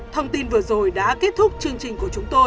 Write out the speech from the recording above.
thông tin vừa rồi đã kết thúc